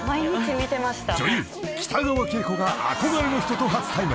［女優北川景子が憧れの人と初対面］